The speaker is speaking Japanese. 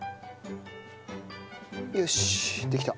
よしできた。